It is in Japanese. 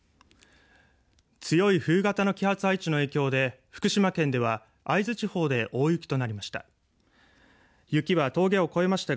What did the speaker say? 強い冬型の気圧配置の影響で福島県では会津地方で大雪となりました。